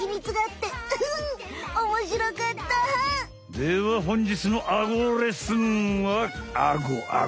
ではほんじつのアゴレッスンはアゴアゴ。